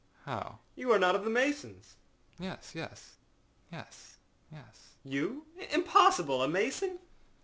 â âHow?â âYou are not of the masons.â âYes, yes,â I said, âyes, yes.â âYou? Impossible! A mason?